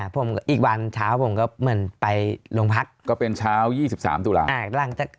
ผมอีกวันเช้าผมก็เหมือนไปโรงพักก็เป็นเช้า๒๓ตุลาคม